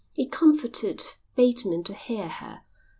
It comforted Bateman to hear her.